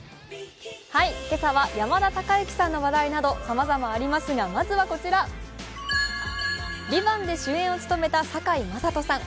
今朝は山田孝之さんの話題などさまざまありますが、まずはこちら「ＶＩＶＡＮＴ」で主演を務めた堺雅人さん。